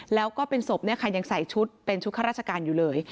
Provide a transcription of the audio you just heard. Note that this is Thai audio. แล้วก็เป็นศพยังใส่ชุดเป็นชุดข้าราชการอยู่เลย